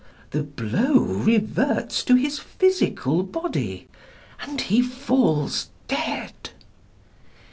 The blow reverts to his physical body, and he falls dead.